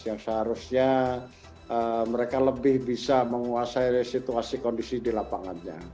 yang seharusnya mereka lebih bisa menguasai situasi kondisi di lapangannya